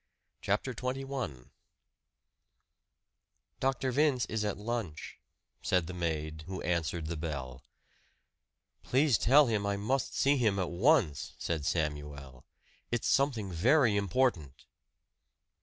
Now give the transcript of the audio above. CHAPTER XXI "Dr. Vince is at lunch," said the maid who answered the bell. "Please tell him I must see him at once," said Samuel. "It's something very important."